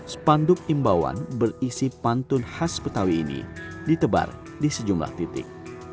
sepanduk imbauan berisi pantun khas betawi ini ditebar di sejumlah titik